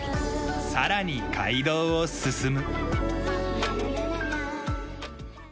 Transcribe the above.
さらに街道を進む。